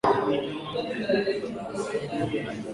Nimekuwa nikijikaza masomoni kwa miaka mitano sasa